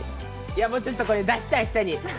いやもうちょっとこれ出したい下に。